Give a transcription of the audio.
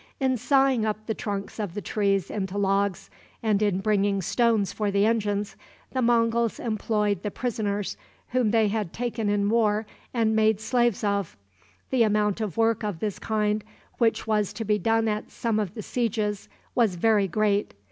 In sawing up the trunks of the trees into logs, and in bringing stones for the engines, the Monguls employed the prisoners whom they had taken in war and made slaves of. The amount of work of this kind which was to be done at some of the sieges was very great.